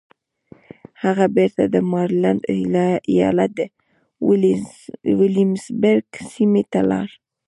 هغه بېرته د ماريلنډ ايالت د ويلمزبرګ سيمې ته لاړ.